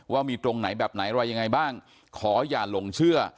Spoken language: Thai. ว่ามีตรงไหนแบบไหนอะไรยังไงบ้างขออย่าหลงเชื่อ